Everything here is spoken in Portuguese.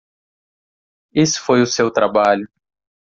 Esse foi o seu trabalho.